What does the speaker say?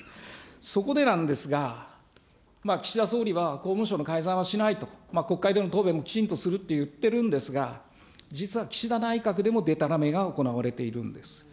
そこでなんですが、岸田総理は公文書の改ざんはしないと、国会での答弁もきちんとすると言ってるんですが、実は岸田内閣でも、でたらめが行われているんです。